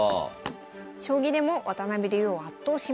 将棋でも渡辺竜王を圧倒します。